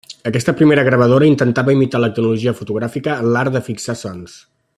Aquesta primera gravadora intentava imitar la tecnologia fotogràfica en l'art de fixar sons.